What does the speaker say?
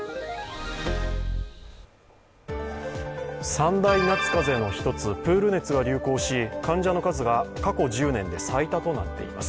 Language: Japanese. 三大夏風邪の１つ、プール熱が流行し患者の数が過去１０年で最多となっています。